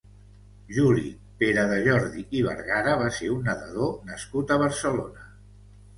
Juli Peradejordi i Vergara va ser un nedador nascut a Barcelona.